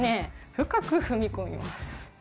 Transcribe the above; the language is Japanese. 深く踏み込みます。